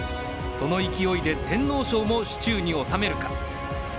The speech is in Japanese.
その勢いで天皇賞も手中に収めるか。